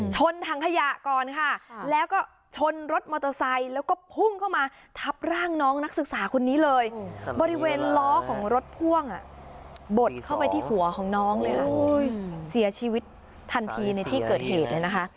ชนถังขยะก่อนค่ะแล้วก็ชนรถมอเตอร์ไซค์แล้วก็พุ่งเข้ามาทับร่างน้องนักศึกษาคนนี้เลยบริเวณล้อของรถพ่วงบดเข้าไปที่หัวของน้องเลยค่ะเสียชีวิตทันทีในที่เกิดเหตุเลยนะคะ